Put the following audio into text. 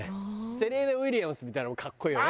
セリーナ・ウィリアムズみたいなのも格好いいよね。